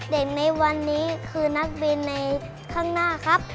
ในวันนี้คือนักบินในข้างหน้าครับ